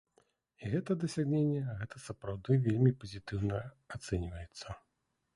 І гэта дасягненне, гэта сапраўды вельмі пазітыўна ацэньваецца.